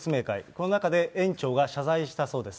この中で園長が謝罪したそうです。